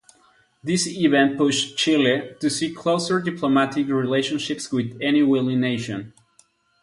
This event pushed Chile to seek closer diplomatic relationships with any willing nation.